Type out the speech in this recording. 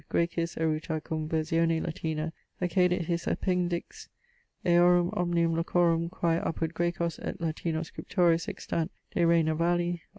Graecis eruta cum versione Latina: accedit his Appendix eorum omnium locorum quae apud Graecos et Latinos scriptores extant de re navali: 8vo.